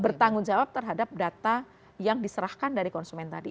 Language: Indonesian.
bertanggung jawab terhadap data yang diserahkan dari konsumen tadi